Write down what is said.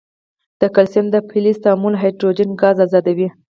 د کلسیم د فلز تعامل هایدروجن ګاز آزادوي.